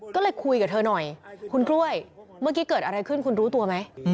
ก็เลยคุยกับเธอหน่อยคุณกล้วยเมื่อกี้เกิดอะไรขึ้นคุณรู้ตัวไหม